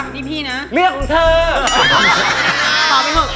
หนะเปี๊เปี๊นะ